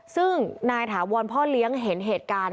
ซึ่งนายถาวรพ่อเลี้ยงเห็นเหตุการณ์